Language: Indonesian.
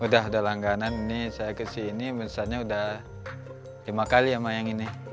udah udah langganan ini saya kesini misalnya udah lima kali sama yang ini